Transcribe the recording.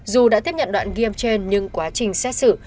dù đã tiếp nhận đoạn ghi âm trên nhưng quá trình xét xử